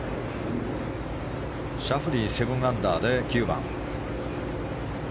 シャフリー、７アンダーで９番。